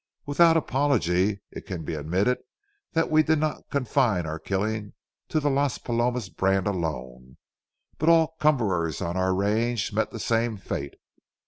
Without apology, it can be admitted that we did not confine our killing to the Las Palomas brand alone, but all cumberers on our range met the same fate.